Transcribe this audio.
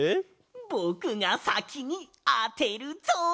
ぼくがさきにあてるぞ！